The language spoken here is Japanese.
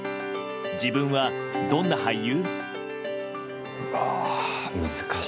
自分はどんな俳優？